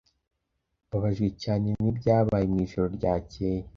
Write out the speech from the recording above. Mbabajwe cyane nibyabaye mu ijoro ryakeye.